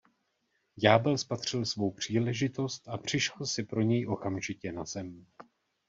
Ďábel spatřil svou příležitost a přišel si pro něj okamžitě na zem.